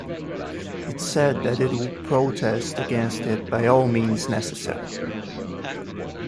It said that it will protest against it by all means necessary.